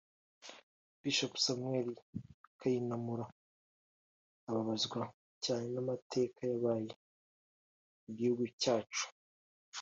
Bishop Samuel Kayinamura ababazwa cyane n’amateka yabaye mu gihugu cyacu